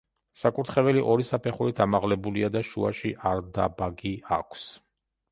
საკურთხეველი ორი საფეხურით ამაღლებულია და შუაში არდაბაგი აქვს.